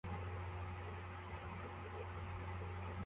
Umuhungu yarebye hasi yurira mu rutare